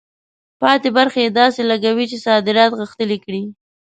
پاتې برخه یې داسې لګوي چې صادرات غښتلي کړي.